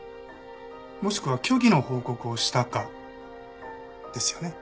もしくは虚偽の報告をしたかですよね？